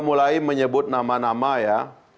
mulai menyebut nama nama ya